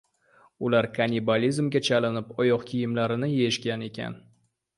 Ular konnibalizmga chalinib, oyoq kiyimlarini yeyishgan ekan.